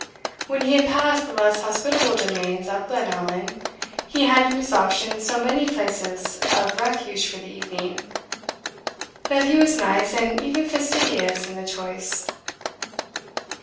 When he had passed the less hospitable domains of Glenallan, he had in his option so many places of refuge for the evening, that he was nice, and even fastidious in the choice.